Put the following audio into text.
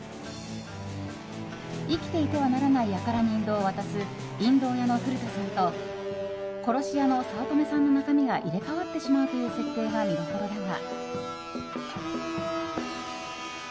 生きていてはならない輩に引導を渡す引導屋の古田さんと殺し屋の早乙女さんの中身が入れ替わってしまうという設定が見どころだが。